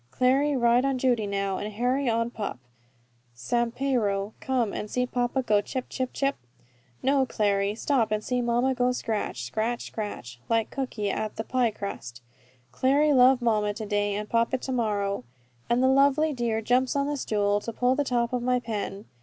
Clary ride on Judy now, and Harry on pup Sampiero, and come and see papa go chip, chip, chip?" "No, Clary stop and see mamma go scratch, scratch, scratch, like Cooky at the pie crust. Clary love mamma to day, and papa to morrow." And the lovely dear jumps on the stool, to pull the top of my pen.